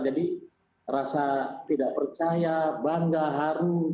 jadi rasa tidak percaya bangga haru